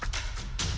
cara memba aman